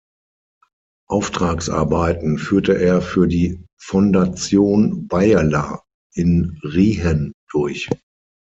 Auftragsarbeiten führte er für die Fondation Beyeler in Riehen durch.